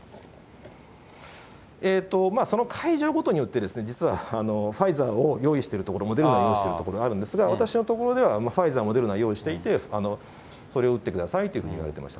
その会場ごとによって、実はファイザーを用意しているところ、モデルナ用意しているところ、あるんですが、私の所ではファイザー、モデルナ用意していて、それを打ってくださいというふうにいわれていました。